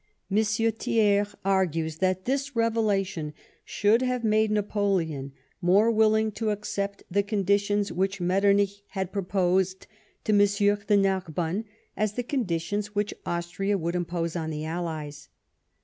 M. Thiers argues that this revelation should have made Xapoleon more willing to accept the conditions which jMetternich had proposed to M. de Narbonne as the conditions which Austria would impose on the allies.